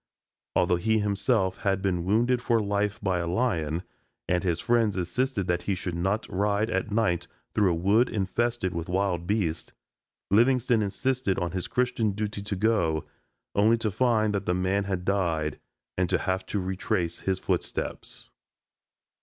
Although he himself had been wounded for life by a lion and his friends insisted that he should not ride at night through a wood infested with wild beasts, Livingstone insisted on his Christian duty to go, only to find that the man had died and to have to retrace his footsteps.